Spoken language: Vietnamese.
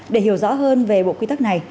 để hiểu rõ hơn về bộ quy tắc này